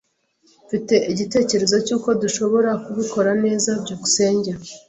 Mfite igitekerezo cyuko dushobora kubikora neza. byukusenge